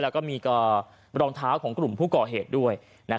แล้วก็มีรองเท้าของกลุ่มผู้ก่อเหตุด้วย